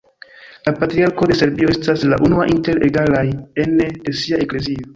La Patriarko de Serbio estas la unua inter egalaj ene de sia eklezio.